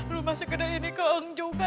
rumah segede ini keeng juga takut